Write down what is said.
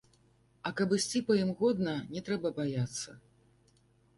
А каб ісці па ім годна, не трэба баяцца.